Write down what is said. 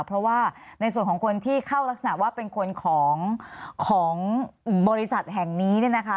เพราะว่าในส่วนของคนที่เข้ารักษณะว่าเป็นคนของบริษัทแห่งนี้เนี่ยนะคะ